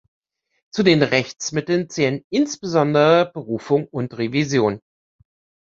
Zu den Rechtsmitteln zählen insbesondere Berufung und Revision.